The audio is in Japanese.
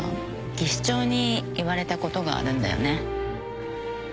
技師長に言われたことがあるんだよね。